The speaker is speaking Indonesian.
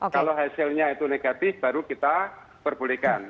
kalau hasilnya itu negatif baru kita perbolehkan